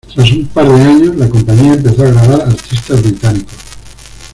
Tras un par de años, la compañía empezó a grabar artistas británicos.